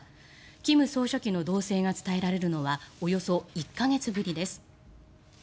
金総書記の動静が伝えられるのはおよそ１か月ぶりです。